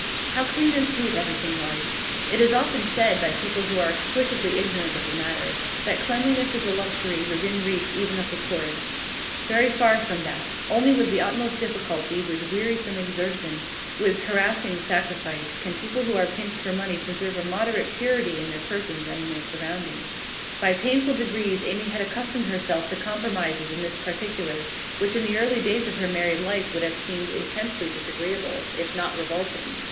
How clean and sweet everything was! It is often said, by people who are exquisitely ignorant of the matter, that cleanliness is a luxury within reach even of the poorest. Very far from that; only with the utmost difficulty, with wearisome exertion, with harassing sacrifice, can people who are pinched for money preserve a moderate purity in their persons and their surroundings. By painful degrees Amy had accustomed herself to compromises in this particular which in the early days of her married life would have seemed intensely disagreeable, if not revolting.